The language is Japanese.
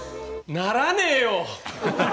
ならねえよ！